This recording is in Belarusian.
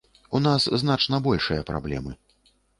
У нас значна большыя праблемы.